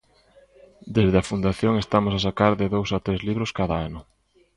Desde a Fundación estamos a sacar de dous a tres libros cada ano.